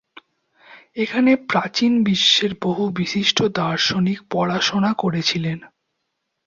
এখানে প্রাচীন বিশ্বের বহু বিশিষ্ট দার্শনিক পড়াশোনা করেছিলেন।